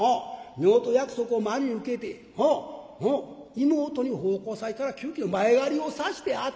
夫婦約束を真に受けて妹に奉公先から急きょ前借りをさしてあてた」。